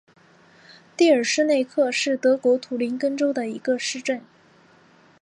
蒂尔施内克是德国图林根州的一个市镇。